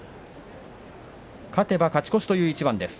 勝てば勝ち越しという一番です。